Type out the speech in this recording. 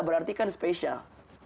berarti kan spesial